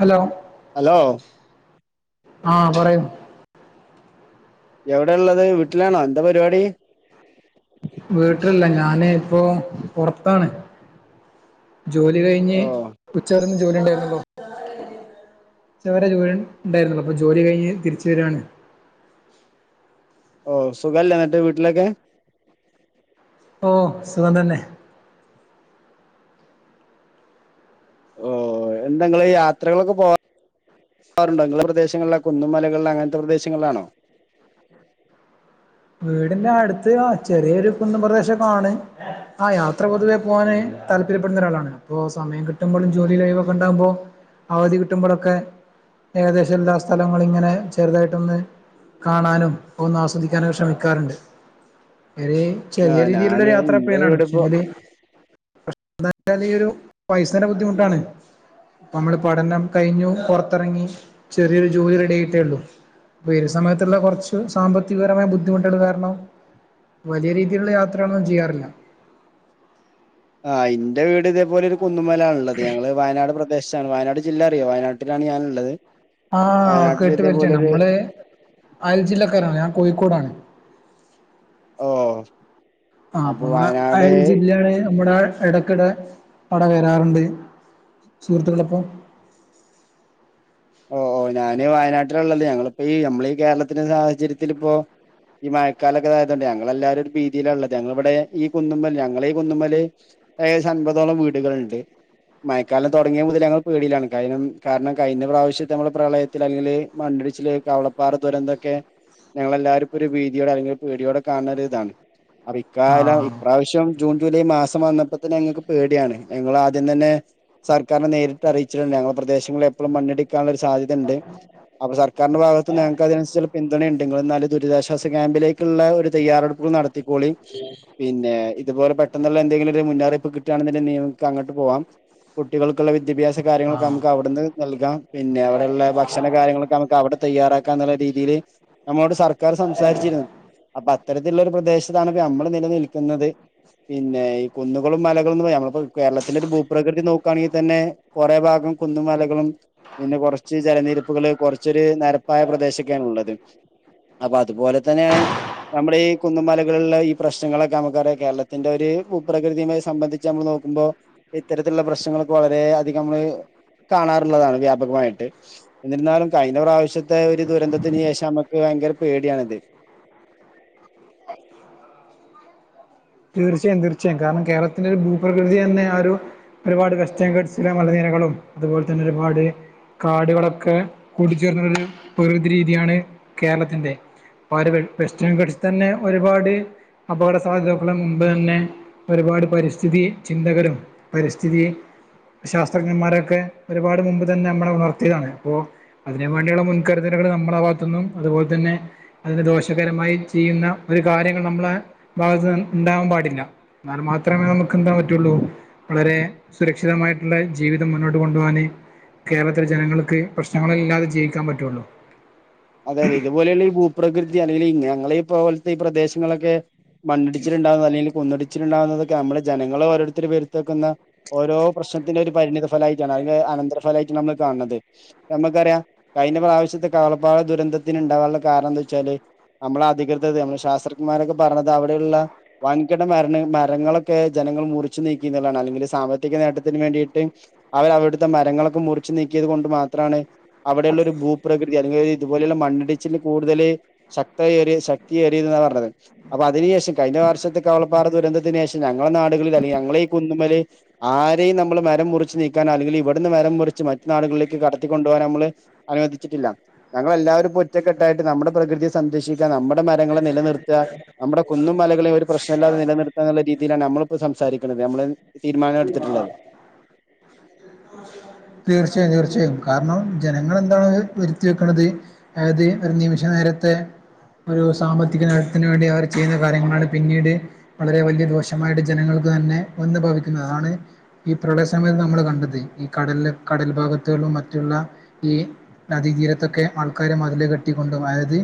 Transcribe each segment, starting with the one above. Hello hello ആഹ് പറയൂ? എവിടെ ഉള്ളത് വീട്ടിലാണോ എന്താ പരിപാടി? വീട്ടിലല്ല ഞാന് ഇപ്പൊ പൊറത്താണ്. ജോലി കഴിഞ്ഞ് ഓ ഉച്ചവരെന്ന് ജോലി ഉണ്ടായിന്നല്ലോ. ചവരെ ജോലി ഇണ്ടായിരുന്നു. അപ്പൊ ജോലി കഴിഞ്ഞ് തിരിച്ച് വരുവാണ്. [unintelligible] ഓ സുഖല്ലേ ന്നട്ട് വീട്ടിലൊക്കെ? ഓ സുഖം തന്നെ. ഓ എന്തങ്ങള് യാത്രകളൊക്കെ പോവാ രുണ്ടെങ്കി പ്രദേശങ്ങളില കുന്ന മലകളില അങ്ങനത്തെ പ്രദേശങ്ങളിലാണോ? വീടിന്റെ അടുത്ത് ചെറിയൊരു കുന്നുംപ്രേതേശംണ് ആ യാത്ര പൊതുവെ പോകാന് താല്പര്യ പ്പെടുന്ന ഒരാളാണ് അപ്പോ സമയം കിട്ടുമ്പോഴും ജോലി ലൈവ ഒക്കെണ്ടകുമ്പോ അവധി കിട്ടുമ്പോഴൊക്കെ ഏകദേശം എല്ലാ സ്ഥലങ്ങളും ഇങ്ങനെ ചെറുതായിട്ടൊന്ന് കാണാനും ഒന്ന് ആസ്വദിക്കും ക്കാനും ശ്രമിക്കാറുണ്ട് വറെ ആ ചെറിയ രീതിയിലുള്ള ഞാന് ഒരു യാത്ര ഇന്റെ പ്രിയനാണ് പക്ഷെ വീടിപ്പോ എന്നാല് ഈ ഒരു പൈസേന്റെ ബുദ്ധിമുട്ടാണ് നമ്മള് പഠനം കഴിഞ്ഞു പുറത്തിറങ്ങി ചെറിയൊരു ജോലി റെഡി ആയിട്ടേ ഉള്ളു ഇ ഒരു സമയത്തുള്ള കുറച്ച് സാമ്പത്തി വ്യതിപരമായ ബുദ്ധിമുട്ടുകൾ കാരണം വലിയ രീതിയിലുള്ള യാത്രയാണന്നും ചെയ്യാറില്ല ആ ഇന്റെ വീട് ഇതേപോലെ ഒരു കുന്നുമല ആണള്ളത് ഞങ്ങള് വയനാട് പ്രദേശത്ത് വയനാട് ജില്ല അറിയോ വയനാട്ടിലാണ് ഞാനുള്ളത് ആഹ വയനാട്ടിൽ കേട്ടു പരിചയാണ് ഇതേപോലൊരു നമ്മെ അയൽ ജില്ലക്കാരാണ് ഞാൻ കോഴിക്കോടാണ് ആഹ ആ അപ്പൊ നമ്മുടെ അയൽ ജില്ലയാണ് നമ്മുടെ ഇടയ്ക്കിടെ അട വരാറുണ്ട് സുഹൃത്തുക്കളെ ഒപ്പൊ ഓ ഓ ഞാന് വയനാട്ടിലള്ളല്ലേ ഞങ്ങളിപ്പോ ഈ നമ്മള ഈ കേരളത്തിന്റെ സാഹചര്യത്തിൽ ഇപ്പോ ഈ മഴക്കാലൊക്കെതായതുകണ്ട് ഞങ്ങൾെല്ലാരും ഭീതിയില ഉള്ളത് ഞങ്ങളിവിടെ ഈ കുന്നുമമ്മൽ ഞങ്ങളെ ഈ കുന്നുമമ്മല് ഏകദേശം അൻപതോളം വീടുകളൾണ്ട് മയക്കാലം തുടങ്ങിയ മുതൽ ഞങ്ങൾ പേടിയിലാണ് ക കാരണം കഴിഞ്ഞപ്രാവശ്യം പക്ഷെ നമ്മുടെ പ്രളയത്തിൽ അല്ലെങ്കില് മണ്ണിടിച്ചില് കവളപ്പാറ ദുരന്തൊക്കെ ഞങ്ങളെ എല്ലാരുംപ്പ ഒരു ഭീതിയോടെ അല്ലെങ്കിൽ ഒരു പേടിയോടെ കാണണ ഒരു ഇതാണ് അ ഇക്കാലം ആഹ് ഇപ്രാവശ്യം ജൂൺ ജൂലൈ മാസം വന്നപ്പോ തന്നെ ഞങ്ങൾക്ക് പേടിയാണ് ഞങ്ങള ആദ്യം അദ്യം തന്നെ സർക്കാനെ നേരിട്ട് അറിയിച്ചട്ടുണ്ട് ഞങ്ങളുടെ പ്രദേശങ്ങളിൽ എപ്പോഴും മണ്ണടി ള്ള ഒരു സാധ്യത ഉണ്ട് അപ്പ സർക്കാന്റെ ഭാഗത്ത് നിങ്ങക്ക് അതിനനസരി പിന്തുണയുണ്ട് ദുരിതാശ്വാസ ക്യാമ്പിലേക്കുള്ള ഒരു തയ്യാറെടുപ്പ് നടത്തിക്കൊളി പിന്നെ ഇതുപോലെ പെട്ടെന്നുള്ള എന്തെങ്കിലും ഒരു മുന്നറിപ്പ് കിട്ടയാണെങ്കിൽ നിയമക്ക് അങ്ങോട്ട് പോവാം കുട്ടികൾക്കുള്ള വിദ്യാഭ്യാസം കാര്യങ്ങളൊക്കെ ആഹ് നമുക്ക് അവിടെന്ന് നൽകാം പിന്നെ അവിടെുള്ള ഭക്ഷണ കാര്യങ്ങളൊക്കെ നമുക്ക് അവിടെ തയ്യാറാക്കാം എന്നുള്ള രീതിയില് നമ്മളോട് സർക്കാർ സംസാരിച്ചിരുന്നു അപ്പൊ അത്തരത്തിലുള്ള ഒരു പ്രദേശത്താണ് ഇപ്പൊ നമ്മള് നിലനിൽക്കുന്നത് പിന്നെ ഈ കുന്നുകളും മലകളുംന്ന് പറ നമ്മള കേരളത്തിന്റെ ഒരു ഭൂപ്രകൃതി നോക്കുകയാണെങ്കിൽ തന്നെ കുറെ ഭാഗം കുന്നും മലകളും പിന്നെ കുറച്ച് ജലനിരപ്പുകള് കുറച്ചരു നരപ്പായ പ്രദേശൊക്കെയാണ് ഉള്ളത് അപ്പൊ അതുപോലെ തന്നെയാണ് നമ്മുടെ ഈ കുന്നുമലകളുള്ള ഈ പ്രശ്നങ്ങളൊക്കെ നമുക്കറിയാം കേരളത്തിന്റെ ഒരുപകൃതിയുമായി സംബന്ധിച്ച് നമ്മൾ നോ നോക്ക്പോ ഇത്തരത്തിലുള്ള പ്രശ്നങ്ങൾക്ക വളര അധികം നമ്മള് കാണാറുള്ളതാണ് വ്യാപകമായിട്ട് എന്നിരുന്നാലും കഴിഞ്ഞ പ്രാവശ്യത്തെ ഒരു ദുരന്തത്തിന് ശേഷം നമുക്ക് ഭയങ്കര പേടിയണിത് തീർച്ചയായും തീർച്ചയായും കാരണം കേരളത്തിന്റെ ഒരു ഭൂപ്രകൃതി തന്നെ ആ ഒരു ഒരുപാട് വെസ്റ്റ്ഗിൾസിലെ മലനിരകളും അതുപോലെ തന്നെ ഒരുപാട് കാടുകളൊക്കെ കൂടിച്ചേർന്നൊരു പ്രകൃതി രീതിയാണ് കേരളത്തിറെ ര് വെസ്റ്റ്ംഗിൾസ് തന്നെ ഒരുപാട് അപകട സാധ്യതാക്കളും മുമ്പ് തന്നെ ഒരുപാട് പരിസ്ഥിതി ചിന്തകരും പരിസ്ഥിതി ശാസ്ത്രജ്ഞന്മാരൊക്കെ ഒരുപാട് മുമ്പ് തന്നെ നമ്മ ഉണർത്തിയതാണ് അപ്പോ അതിന് വേണ്ടിയുള്ള മുൻകരുത നമ്മളുടെ ഭാഗത്തു നിന്നും അതുപോലെ തന്നെ അതിന് ദോഷകരമായി ചെയ്യുന്ന ഒരു കാര്യങ്ങൾ നമ്മളുടെ ഭാഗത്ത് ഉണ്ടാകാൻ പാടില്ല എന്നാലൽ മാത്രമേ നമുക്ക് എന്താ പറ്റുള്ളൂ വളരെ സുരക്ഷിതമായിട്ടുള്ള ജീവിതം മുന്നോട്ട് കൊണ്ടുപോകാാന് കേരളത്തിലെ ജനങ്ങൾക്ക് പ്രശ്നങ്ങളില്ലാതെ ജീവിക്കാൻ പറ്റുള്ളു അതെ അതെ ഇതുപോലെയുള്ള ഈ ഭൂപ്രകൃതി അല്ലെങ്കിൽ ഞങ്ങള പോലത്തെ ഈ പ്രദേശങ്ങളൊക്കെ മണ്ണടിച്ചിുണ്ടാവ അല്ലങ്കിൽ കൊന്നിടി ണ്ടുന്നൊക്കെ നമ്മളെ ജനങ്ങളൾ ഓരോരുത്തർ വരുത്തക്കുന്ന ഓരോ പ്രശ്നത്തിന്റെ ഒരു പരിണിത ഫലമായിട്ടാണ് അത് കഴി അനന്തര ഫലമായിട്ടാണ് നമ്മൾ കാണത് നമുക്കറിയാം കഴിഞ്ഞ പ്രാവശ്യത്തെ ഒരുപാട് ദുരന്തത്തിന് ഉണ്ടാകാനുള്ള കാരണം എന്താ വെച്ചാല് നമ്മളെ അധികൃത നമ്മ ശാസ്ത്രജ്ന്മാരൊക്കെ പറണത് അവിടെയുള്ള വൻകിട മര മരങ്ങളൊക്കെ മുറിച്ചു നീക്കുന്നതാണ് അല്ലെങ്കിൽ സാമ്പത്തിക നേട്ടത്തിന് വേണ്ടിയിട്ട് അവരവിടുത്തെ മരങ്ങളൊക്കെ മുറിച്ചു നീക്കിയ ണ്ട് മാത്രമാണ് അവിടെയുള്ള ഒരു ഭൂപ്രകൃതി അല്ലെങ്കിൽ ഇതുപോലെയുള്ള മണ്ണിടിച്ചിൽ കൂടുതൽ ശക്ത ശക്തിയഏറിയത് പറഞ്ഞത് അപ്പൊ അതിനു ശേഷം കഴിഞ്ഞ വർ ഷത്തെകളവപ്പാറ ദുരന്തത്തിന് ശേഷം ഞങ്ങളുടെ നാടുകളിൽല്ല ഞങ്ങള ഈ കുന്നുമൽ ആരെയും നമ്മൾ മരം മുർ ച്ച് നീക്കാനൻ അല്ലെങ്കിൽ ഇവിടന്ന് മരം കുറിച്ച് മറ്റു നാളുകളിലേക്ക് കടത്തിക്കൊുപോകനമ്മൾ അനുവദിച്ചിട്ടില്ല ഞങ്ങല്ലാവരും ഒറ്റക്കെട്ടായിട്ട് നമ്മുടെ പ്രകൃതിയെ സംരക്ഷിക്കാൻ നമ്മുടെ നമ്മുടെ മരങ്ങളെ നിലനിർത്തുക നമ്മുടെ കുന്നും മലകളെ ഒരു പ്രശ്നമല്ലാതെ നിലനിർത്താ എന്നുള്ള രീതിയിലാണ് നമ്മളിപ്പോൾ സംസാരിക്കണുന്നത് നമ്മള് തീരുമാനം എടുത്തിട്ടുള്ളത് തീർച്ചയായും തീർച്ചയായും കാരണം ജനങ്ങൾെന്താണ് വരുത്തി വെക്കണുന്നത് അതായത് ഒരു നിമിഷ നേരത്തെ ഒരു സാമ്പത്തിക നേട്ടത്തിന് വേണ്ടി അവർ ചെയ്യുന്ന കാര്യ കൊണ്ടാണ് പിന്നീട് വളരെ വലിയ ദോഷമായിട്ട് ജനങ്ങൾക്ക് തന്നെ വന്ന് ഭവിക്കുന്നത് അതാണ് ഈ പ്രളയ സമയത്ത് നമ്മൾ കണ്ടത് ഈ കട കടൽ ഭാഗത്തും മ ഈ നദതീരത്തൊക്കെ ആൾക്കാരെ മതിലെ കെട്ടിക്കൊണ്ടും അതായത്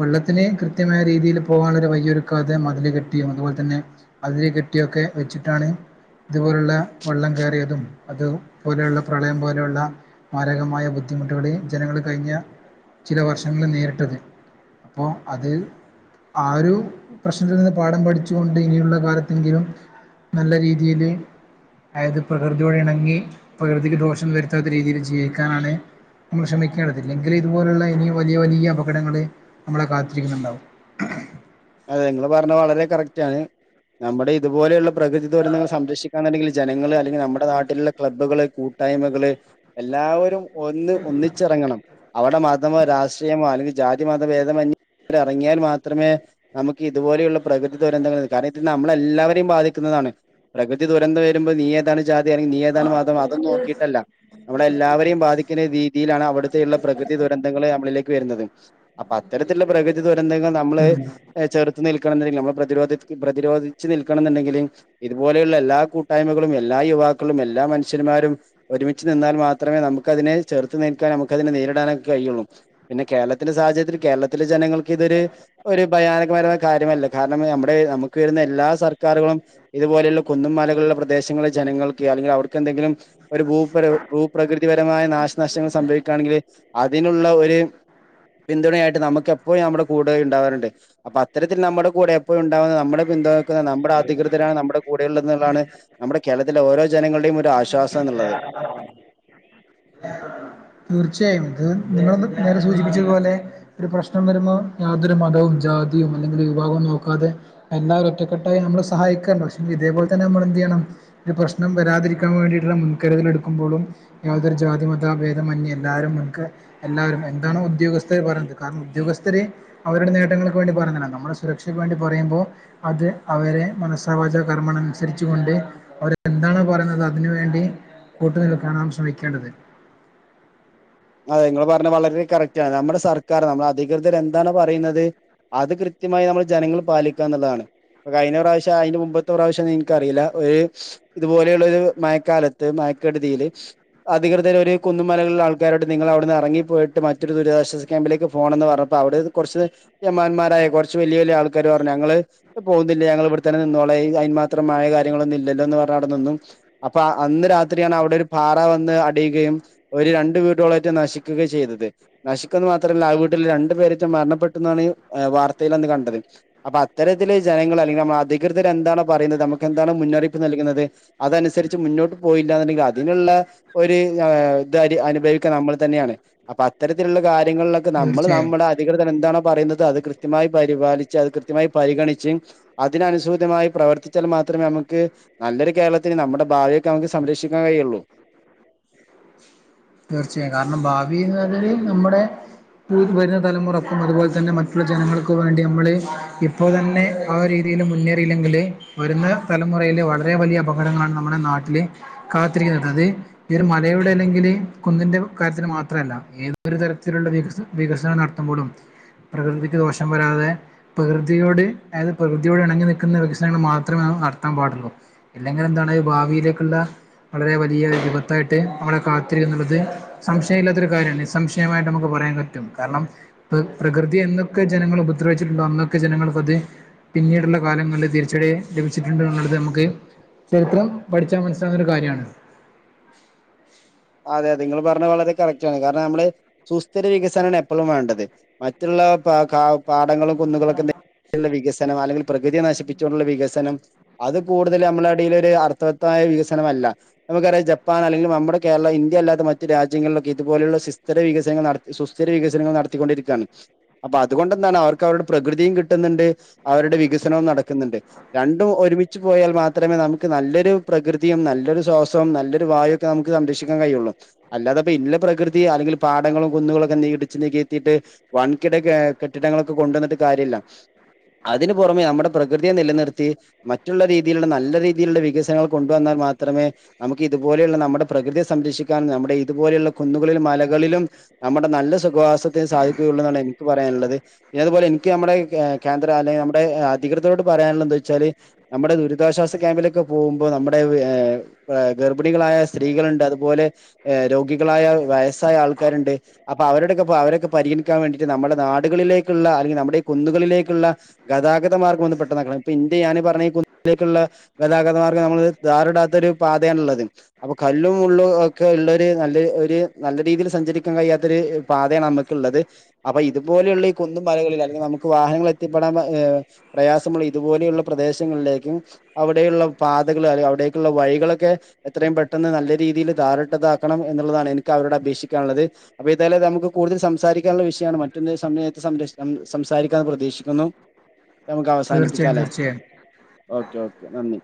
വെള്ളത്തി ത്തിന് കൃത്യമായ രീതിയി പോകാനുള്ള ഒരു വയ്യൊ ഒരുക്കാതെ മതില കെട്ടിയും അതുപോലെ തന്നെ അതിര് കെട്ടിയൊക്കെ വച്ചിട്ടാണ് ഇതുപോലുള്ള വെള്ളം കയറതും അതുപലെയുള്ള പ്രളയം പോലെയുള്ള മാരകമായ ബുദ്ധിമുട്ടുകളിൽ ജനങ്ങൾ കഴിഞ്ഞ ചില വർഷങ്ങളിൽ നേരിട്ടത് അപ്പോൾ അത് ആ ഒരു പ്രശ്നത്തിൽ നിന്ന് പാഠം പഠിച്ചുകൊണ്ട് ഇനിയുള്ള കാലത്തെങ്കിലും നല്ല രീതിയില് അതായത് പ്രകൃതിയോട് ഇണങ്ങി പ്രകൃതിക്ക് ദോഷം വരുത്താത്ത രീതിയിൽ ജീവക്കാനാണ് നമ്മൾ ശ്രമിക്കേണ്ടതില്ലെങ്കിൽ ഇതുപോലുള്ള ഇനി വലിയ വലിയ അപകടങ്ങള്ൾ നമ്മളെ കാത്തിരിക്കുന്നുണ്ടാവും അതെ നിങ്ങള് പറഞ്ഞ വളരെ കറക്റ്റ് ആണ് നമ്മുടെ ഇതുപോലെയുള്ള പ്രകൃതി ദുരന്തൾ സംരക്ഷിക്കാുണ്ടെങ്കിൽ ജനങ്ങള്ൾ അല്ലെങ്കിൽ നമ്മുടെ നാട്ടിലുള്ള ക്ലബ്ബുകള് കൂട്ടായ്മകള് എല്ലാവരും ഒന്ന് ഒന്നിച്ചിറങ്ങണം അവിടെ മതമോ രാഷ്ട്രീയമോ അല്ലെങ്കിൽ ജാതി മത ഭേദമന്യ ഇറങ്ങിയാൽ മാത്രമേ ഇതുപോലെയുള്ള പ്രകൃതി ദുരന്തങ്ങ കാരണം ഇ നമ്മളെല്ലാവരെയും ബാധിക്കുന്നതാണ് പ്രകൃതി ദുരന്തം വരുമ്പോൾ നീ ഏതാണ് ജാതി അല്ലങ്കിൽ നിയേതാണ് മതം അതൊന്നും നോക്കിട്ടല്ല നമ്മള എല്ലാവരെയും ബാധിക്കുന്ന രീതിയിലാണ് അവിടുത്തെുള്ള പ്രകൃതി ദുരന്തങ്ങള്ൾ നമ്മളിലേക്ക് വരുന്നത് അപ്പൊ തത്തരത്തിലുള്ള പ്രകൃതി ദുരന്തങ്ങൾ നമ്മള് ചെറുത് നിൽക്കണണ്ടെങ്കിൽ നമ്മൾ പ്രതിരോധ പ്രതിരോധിച്ച് നിൽക്കണം എന്നുണ്ടെങ്കിലും ഇതുപലെയുള്ള എല്ലാ കൂട്ടായ്മയും കളും എല്ലാ യുവാക്ക മക്കളും എല്ല മനഷ്യന്മാരും ഒരുമച്ച് നിന്നാൽ മാത്രമേ നമുക്ക അതിനെ ചേർതു നിൽക്കാനും നമുതിന നേരിടാനും ക യൊള്ളും പിന്നെ കേരത്തിന്റെ സാഹചര്ത്തിൽ കേരളത്തില ജനങ്ങക്ക് ഇതൊര് ഒരു ഭയാനകരമായ കാര്യമല്ല കാരണം നമ്മുടെ നമുക്ക് വരുന്ന എല്ലാ സർക്കാരറുകളും ഇതുപോലെയുള്ള കുന്നുംമലകള പ്രദേശങ്ങളെ ജനങ്ങൾക്ക് അല്ലെങ്കിൽ അവർക്ക്െന്തെങ്കിലും ഒരു ഭൂ ഭൂപ്രകൃതിപരമായ നാശനഷ്ടങ്ങൾ സംഭവിക്കുകയാണെങ്കിൽ അതി ഇതിനുള്ള ഒരു പിന്തുണയായിട്ട് നമുക്ക എപ്പോഴ നമ്മുടെ കൂടെ ഉണ്ടാവാറുണ്ട് അപ്പൊ അത്തരത്തിൽ നമ്മുടെ കൂടെ എപ്പോഴ ഉണ്ടാവുന്ന നമ്മള പിന്തുണക്കുന്ന നമ്മുടെ അധികൃതരാണ് നമ്മുടെ കൂടെ ഉണ്ടന്നുള്ളതാണ് നമ്മുടെ കേരത്തിലെ ഓരോ ജനങ്ങളുടെയും ഒരു ആശ്വാസം എന്നുള്ളത് അ [inaudible] തീർച്ചയായും ഇത് നിങ്ങളൾ നേരെ സൂചിപ്പിച്ചതുപോലെ ഒരു പ്രശ്നം വരുമ്പോൾ യാതൊരു മതവും ജാതി അല്ലെങ്കലും വിഭാഗവും നോക്കാതെ എല്ലാവും ഒറ്റെട്ടായി നമ്മെ സഹായിക്കന്നുണ്ട് പക്ഷേ ഇതേപോലെ തന്നെ നമ്മൾ എന്ത് ചെയ്യണം ഒരു പ്രശ്നം വരാതിരിക്കാൻ വേണ്ടിയിട്ടുള്ള മുൻകരുതൽ എടുക്കുമ്പോഴും യാതൊരു ജാതി മത ഭേദ മന്ന എല്ലാവരുംൻക്ക് എല്ലാവരും എന്താണെ ഉദ്യോഗസ്ഥർ പറയുന്നത് കാരണം ഉദ്യോഗസ്ഥരെ അവരുടെ നേട്ട ട്ടങ്ങൾക് വേണ്ടി പറയനാണ് നമ്മളെ സുരക്ഷക്ക് വേണ്ടി പറയുമ്പോ അത് അവരെ മനസ വാജ കർമണാ അനുസരിച് കൊണ്ട് [unintelligible] അവർ എന്താണ് പറയുന്നത് അതിന് വേണ്ടി കൂട്ടു നിൽക്കാനണ് ശ്രമിക്കേണ്ടത് അതെ നിങ്ങള്പറഞ്ഞത് വളരെ കറക്റ്റ് ആണ് നമ്മുടെ സർക്കാർ നമ്മെ അധികൃതർ എന്താണ് പറയുന്നത് അത് കൃത് കൃത്യമായി നമ്മൾ ജനങ്ങൾ പാലിക്ക എന്നുള്ളതാണ് പ്പൊ കഴിഞ്ഞ പ്രാവശ്യം അതിന്റെ മുമ്പത്തെ പ്രാവശ്യം നിനക്ക്റിയില്ല ഒരു ഇത്പോലെയുള്ള ഒരു മഴക്കാലത്ത് മഴ ഴക്കെടുതീല് അധികൃതരു കുന്നുമലകൾ. ഉള്ള ആൾ ക്കാരോട് നിങ്ങൾവിടന്ന് ഇറിങ്ങിപ്പോയിട്ട് മറ്റൊരു ദുരിതാശ്വാസ ക്യാമ്പിലേക്ക് പോണന്ന് പറഞ്ഞപ്പോ അവിടെ കുറച്ച് ജമാന്മാരെ ഹേ കുറച്ച് വലിയ വലിയ ആൾക്കാര് പറഞ്ഞു ഞങ്ങള് പോകുന്നില്ല ഞങ്ങൾ ഇവിടെത്തന്നെ നിന്നോളെ അയ്ന് മാത്രം മഴേം കാര്യങ്ങളൊന്നും ഇലാലോ. ന്ന് പറഞാവിടെ നിന്ന് അപ്പൊ അന്ന് രാത്രിയാണ് അവിടെ ഒരു പാറ വന്ന് അടിയുകയും ഒരു രണ്ട് വീട്ട. ട്ടോളയിട്ട് നശിക്കുക ചെയ്തത് നശിക്കന്ന് മാത്രല്ല ആ വീട്ടിൽ രണ്ടു പേരട്ടാ മരണപ്പെട്ടുന്നണ് വാർത്ത. തയിൽഅന്ന് കണ്ടത് അപ്പൊ അത്തരത്തില് ജനങ്ങൾ അല്ലെങ്കിൽ നമ്മ അധികൃതർ എന്താണ്പ്പൊപറയുന്നത് നമുക്ക് എന്താണ് മുന്നറിയിപ്പ് നൽകു. ക്കിന്നത് അതനുസരിച്ച് മുന്നോട്ട് പോയില്ല എന്നുണ്ടെങ്കിൽ അതിനുള്ള ഒരു താഅനുഭവിക്കും. ക്ക നമ്മൾ തന്നെയാണ് അപ്പൊ അത്തരത്തിലുള്ള കാര്യങ്ങളിലൊക്കെ നമ്മൾ തീർച്ചയായും നമ്മുടെ അധികൃതർ എന്താണോ പറയുന്നത്. അത് കൃത്യമായി പരിപാലിച്ച് അത് കൃത്യമായി പരിഗണിച്ചും അതിനുസൂചതമായി പ്രവർത്തിച്ചാൽ മാത്രമേ നമ്മ. നമുക്ക് നല്ലൊരു കേരളത്തിന് നമ്മുടെ ഭവിയൊക്കെ നമുക്ക് സംരക്ഷിക്കാൻ കഴിയുള്ളു. [inaudible] തീർച്ചയായും കാരണം ഭാവിന്ന് പറഞ്ഞാൽ നമ്മുടെ. പു വര തലമുറക്കും അതുപോലെ തന്നെ മറ്റുള്ള ജനങ്ങൾക്കും വേണ്ടി മ്മള് ഇപ്പോ തന്നെ ആ രീതി. യിൽ മുന്നേറിയില്ലെങ്കിൽ വരുന്ന തലമുറയിലെ വളരെ വലിയ അപകടങ്ങളാണ് നമ്മുടെ നാട്ടിൽ കാത്തിരിക്ക. അത് ഈ ഒരു മലയോട് അല്ലെങ്കില്. കുന്നിന്റെ കാര്യത്തിന് മാത്രല്ല ഏതൊരു തരത്തിലുള്ള വിക വികസനം നടത്തുമ്പോഴും. പ്രകൃതിക്ക് ദോഷം വരാതെ പ്രകൃതിയോട് അതായത് പ്രകൃതിയോട് ഇണങ്ങി നിൽക്കുന്ന വികസനങ്ങൾ മാത്രമ. നടത്താൻ പാടുള്ളൂ ഇല്ലെങ്കിലിൽ എന്താണ് ഭാവിയിലേക്കുള്ള. വളരെ വലിയ വിപത്തായിട്ട് നമ്മളെ കാ. ത്ത് ർ ഉള്ളദ് സംശയം ഇല്ലാത്തരു കാര്യാണ് നിസംശയമായിട്ട് നമുക്ക് പറയാൻ പറ്റും കാരണം പ്രകൃതി ന്നത്. അന്നൊക്കെ ജനങ്ങൾ ഉപദ്രവിച്ചിട്ടുണ്ടോ അന്നൊക്കെ ജനങ്ങൾ അതി. പിന്നീടുള്ള കാലങ്ങളിൽ തിരിച്ചടി ലഭിച്ചിട്ടുണ്ട് എന്നുള്ളത് നമുക്ക്. ചരിത്രം പഠിച്ചാ മനസ്സിലാവുന്ന ഒരു കാര്ര്യാണ്. [inaudible] അതെ അതെ ഇങ്ങൾ പറഞ്ഞ വളരെ കറക്റ്റാണ് കാരണം നമ്മള് സുസ്ഥിര വികസനാണ് എപ്പോഴും വേണ്ടത്. മറ്റുള്ള ക പാ കാ പാടങ്ങളും കുന്നുകളൊക്കെ- [unintelligible] - വികസനം അല്ലെങ്കിൽ പ്രകൃതിയെ നശിപ്പിച്ചുകൊണ്ടുള്ള വികസനം അത് കൂടുതൽ നമ്മള ഇടയിൽ ഒരു അർത്ഥവത്തായ വികസനമല്ല. നമക്കറിയ. ജപ്പാ പ്പാൻ അല്ലെങ്കിൽ നമ്മുടെ കേരള ഇന്ത്യ അല്ലാത്ത മറ്റു രാജ്യങ്ങളിലൊക്കെ ഇതുപോലുള്ള സിസ്ഥര വികസങ്ങ നട സുസ്ഥിര വികസനങ്ങൾ നട. ടത്തിണ്ടിരി ണ്ട് രണ്ടും ഒരുമിച്ച് പോയാൽ മാത്രമേ നമുക്ക് നല്ലൊരു പ്രകൃതിയും നല്ലൊരു ശ്വാസവും നല്ലൊരു. വായൊക്കെ നമുക്ക് സംരക്ഷിക്കാൻ കഴിയുള്ളൂ അല്ലാതെപ്പ ഇന്ന പ്രകൃതി അല്ലെങ്കിൽ പാടങ്ങളും. കുന്നുകളൊക്കെ ഇടിച്ച് നീക്കത്തിയിട്ട് വൻകിട കെട്ടിടങ്ങളൊക്കെ കൊണ്ടുവന്നിട്ട് കാര്യല്ല. അതിനു പുറമെ നമ്മുടെ പ്രകൃതിയെ നിലനിർത്തി മറ്റുള്ള രീതിയിലുള്ള നല്ല രീതിയിലുള്ള വികസനങ്ങൾ കൊണ്ടുവന്നാ. മാത്രമേ നമുക്ക്. ഇതുപോലെയുള്ള നമ്മുടെ പ്രകൃതിയെ സംരക്ഷിക്കാനും നമ്മുടെ ഇതുപോലെയുള്ള കുന്നുകളിലും മലകളിലും നമ്മുടെ നല്ല സുഖ. ഉപവാസത്തി സാധിക്കുകയുള്ള എന്നാണ് എനിക്ക് പറയാനുള്ളത് പിന്നെ അതുപോലെ എനിക്ക് നമ്മുടെ കേന്ദ്ര അല്ലെങ്കിൽ നമ്മുടെ അധികൃ. തരോട് പറയാനുള്ളന്തച്ചാല് നമ്മുടെ ദുരിതാശ്വാസ ക്യാമ്പിലൊക്കെ പോകുമ്പോ നമ്മുടെ. ഏ ഗർഭിണികളായ സ്ത്രീകളുണ്ട് അതുപോലെ രോഗികളായ വയസ്സായ ആൾക്കാരുണ്ട് അപ്പൊ അവരുടെ. ക്കെ അവരൊക്കെ പരിഗണിക്കാൻ വേണ്ടിട്ട് നമ്മുടെ നാടുകളിലേക്കള്ള അല്ലെങ്കിൽ നമ്മുടെ കുന്നുകളിലേക്കുള്ള ഗതാഗതമാർഗ. പെട്ടന്നാക്കണം ഇപ്പോഇന്റെഞാൻ പറഞ്ഞ കുന്നിലേക്കുള്ള ഗതാഗതമാർക്ക നമ്മള് ടാരിടാത്ത ഒരു പാത. തേൻ ള്ളത് അപ്പൊ കല്ലും മുള്ളും ഒക്കെ ഉള്ളരു നല്ല ഒരു നല്ല രീതിയിൽ സഞ്ചരിക്കാൻ കഴിയാത്തരു. ഹേ തെ പാതയാണ് നമക്ക് ഇള്ളത് അപ്പൊ ഇതുപോലെയുള്ള ഈ കുന്നുമലകളിൽ അല്ലെങ്കിൽ നമുക്ക് വാഹനങ്ങൾ എത്തിപ്പെടാൻ പ പ്രയാസമുള്ള ഇതുപോലെയുള്ള പ്രദേശങ്ങളിലേക്കും അവിടെയുള്ള പാതകൾ അല്ലെ അവിടേക്കുള്ള വഴികളൊക്കെ. എത്രയും പെട്ടെന്ന് നല്ല രീതിയിൽ ദാറ്ട്ടാതാക്കണം എന്നുള്ളതാണ് എനിക്ക് അവരോട് അപേക്ഷിക്കാൻള്ളത് അപ്പൊ ഏതായാലും നമു ക്ക് കൂടുതൽ സംസാരിക്കാനുള്ള വിഷയാണ് മറ്റേതേം സമയത്ത് സമയത്ത് സംസാ സംസാരിക്കാന്ന് പ്രതീക്ഷിക്കുന്നു നമുക്ക് തീർച്ചയായും അവസാനിപ്പിക്കാല്ലേ തീർച്ചയായും ഓക്കെ ഓക്കെ നന്ദി